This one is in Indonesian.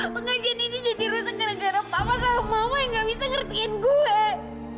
pengajian ini jadi rusun gara gara papa sama mama yang gak bisa ngertiin gue